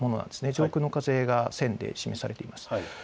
上空の風が線で示されています。